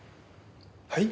はい？